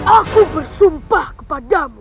aku bersumpah kepadamu